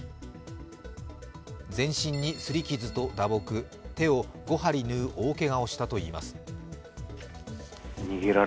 全身にすり傷と打撲、手を５針縫う大けがをしたといいます。